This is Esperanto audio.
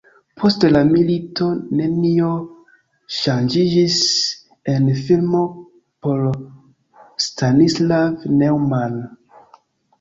Post la milito nenio ŝanĝiĝis en filmo por Stanislav Neumann.